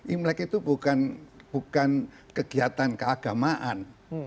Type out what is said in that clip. imlek itu bukan kegiatan keagamaan